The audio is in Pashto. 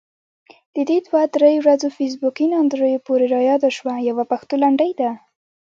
د دې دوه درې ورځو فیسبوکي ناندريو پورې رایاده شوه، يوه پښتو لنډۍ ده: